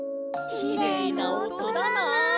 きれいなおとだな。